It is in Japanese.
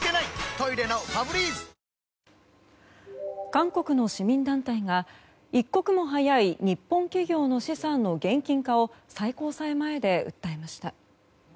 韓国の市民団体が一刻も早い日本企業の資産の現金化を最高裁前で訴えました。